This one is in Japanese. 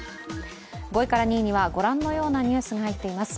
５位から２位にはご覧のようなニュースが入っています。